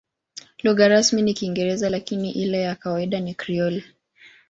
Lugha rasmi ni Kiingereza, lakini ile ya kawaida ni Krioli.